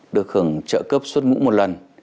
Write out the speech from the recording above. được hưởng trợ cấp xuất ngũ một lần